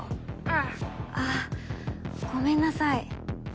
うん。あごめんなさい。